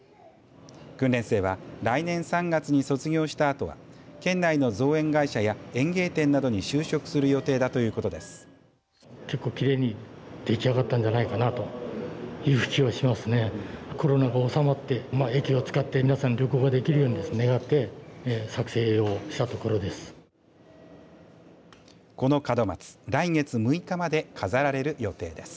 訓練生は来年３月に卒業したあとは県内の造園会社や園芸店などに就職する予定だということです。